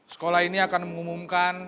sekolah ini akan mengumumkan